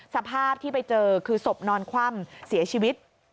สภาพที่ไปเจอคือศพนอนคว่ำเสียชีวิต